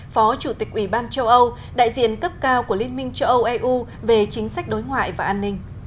phó chủ tịch ủy ban châu âu đại diện cấp cao của liên minh châu âu eu về chính sách đối ngoại và an ninh